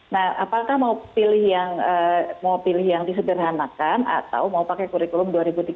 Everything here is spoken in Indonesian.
nah apakah mau pilih yang disederhanakan atau mau pakai kurikulum dua ribu tiga belas